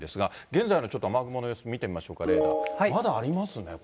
現在のちょっと雨雲の様子見てみましょうか、レーダーで。